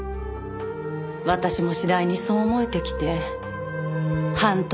私も次第にそう思えてきて半年後には結婚を。